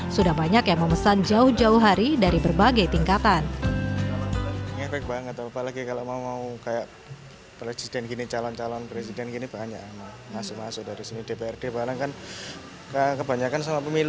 sudah banyak yang memesan jauh jauh hari dari berbagai tingkatan